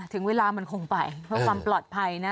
ถึงเวลามันคงไปเพื่อความปลอดภัยนะ